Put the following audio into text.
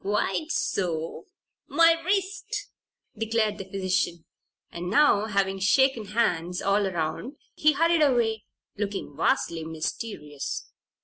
"Quite so my wrist!" declared the physician, and now, having shaken hands all around, he hurried away, looking vastly mysterious.